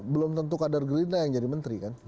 belum tentu kader gerindra yang jadi menteri kan